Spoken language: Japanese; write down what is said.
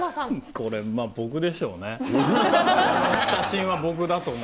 これ、僕でしょうね。